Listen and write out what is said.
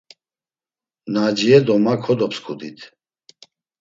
Naciye do ma kodopsǩudit.